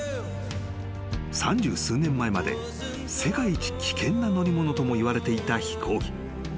［三十数年前まで世界一危険な乗り物ともいわれていた飛行機］